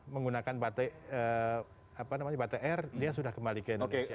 menggunakan batik batik air dia sudah kembali ke indonesia